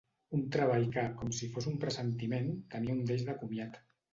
Un treball que, com si fos un pressentiment, tenia un deix de comiat.